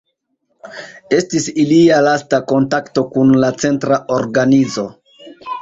Estis ilia lasta kontakto kun la Centra Organizo.